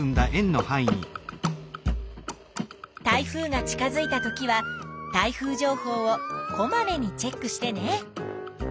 台風が近づいたときは台風情報をこまめにチェックしてね。